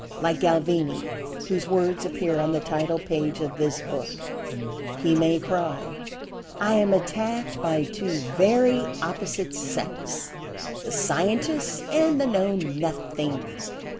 Like Galvini, (whose words appear on the title page of this book) he may cry: "I am attacked by two very opposite sects—the scientists and the know nothings.